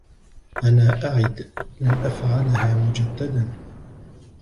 أنا أعد, لن أفعلها مجدداً.